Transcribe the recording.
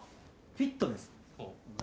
フィットネス？の何？